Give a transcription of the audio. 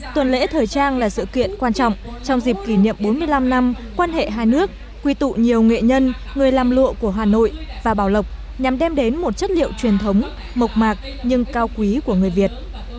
tuần lễ thời trang là sự kiện quan trọng trong dịp kỷ niệm bốn mươi năm năm quan hệ hai nước quy tụ nhiều nghệ nhân người làm lụa của hà nội và bảo lộc nhằm đem đến một chất liệu truyền thống mộc mạc nhưng cao quý của người việt